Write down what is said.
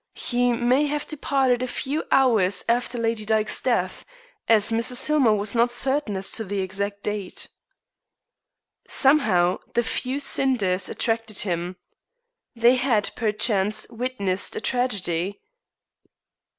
"He may have departed a few hours after Lady Dyke's death, as Mrs. Hillmer was not certain as to the exact date." Somehow the few cinders attracted him. They had, perchance, witnessed a tragedy.